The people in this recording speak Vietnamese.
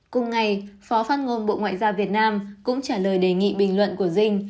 cùng ngày phó phát ngôn bộ ngoại giao việt nam cũng trả lời đề nghị bình luận của dinh